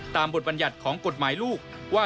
บทบรรยัติของกฎหมายลูกว่า